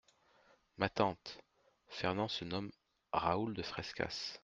Ma tante, Fernand se nomme Raoul de Frescas.